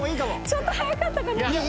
ちょっと早かったかな？